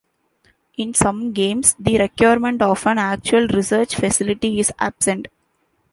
In some games, the requirement of an actual research facility is absent.